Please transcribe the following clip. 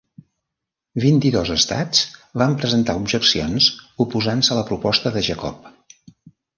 Vint-i-dos estats van presentar objeccions oposant-se a la proposta de Jacob.